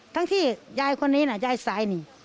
ที่ยายคนนี้นะยายสายนี่